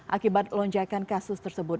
akibat lonjakan kasus tersebut